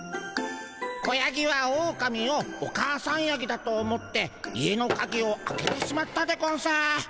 子ヤギはオオカミをお母さんヤギだと思って家のカギを開けてしまったでゴンス。